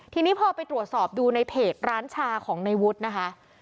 ทีนี้พอไปตรวจสอบดูในเพจร้านชาของในวุฒินะคะ